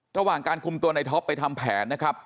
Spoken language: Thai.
ระหว่างการคุมตัวในท็อปไปทำแผนนะครับ